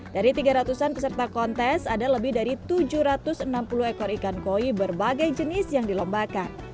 dari tiga ratus an peserta kontes ada lebih dari tujuh ratus enam puluh ekor ikan koi berbagai jenis yang dilombakan